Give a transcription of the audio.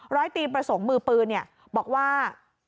ร้อยตีประสงค์มือปืนบอกว่า